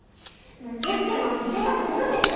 １０件回って成約ゼロです。